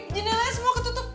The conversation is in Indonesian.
jenelanya semua ketutup